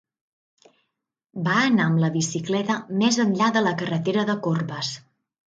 Va anar amb la bicicleta més enllà de la carretera de corbes.